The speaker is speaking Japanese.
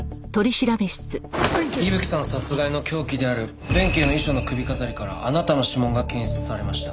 伊吹さん殺害の凶器である弁慶の衣装の首飾りからあなたの指紋が検出されました。